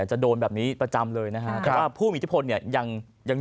จะโดนแบบนี้ประจำเลยนะครับผู้มีชิพนเนี้ยยังยัง